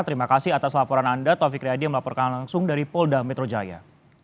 terima kasih atas laporan anda taufik riyadi yang melaporkan langsung dari polda metro jaya